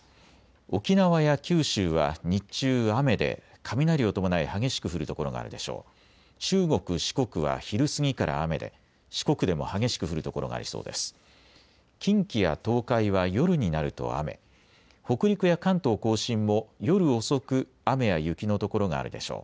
沖縄や九州は日中雨で雷を伴い激しく降る所があるでしょう。